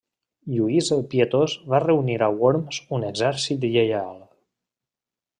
Lluís el Pietós va reunir a Worms un exèrcit lleial.